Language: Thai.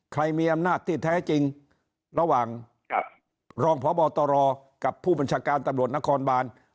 ใครมีอำนาจที่แท้จริงระหว่างรองพบตรกับผู้บัญชาการตำรวจนครบาน